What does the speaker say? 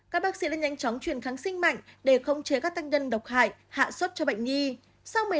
các bác sĩ đã nhanh chóng chuyển kháng sinh mạnh để không chế các tăng nhân độc hại hạ suất cho bệnh nhi